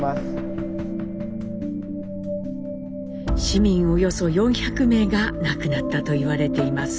市民およそ４００名が亡くなったと言われています。